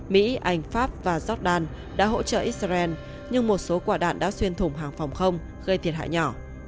mỹ anh pháp và jordan đã hỗ trợ israel nhưng một số quả đạn đã xuyên thùng hàng phòng không gây thiệt hại nhỏ